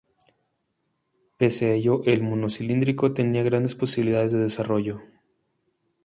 Pese a ello el monocilíndrico tenía grandes posibilidades de desarrollo.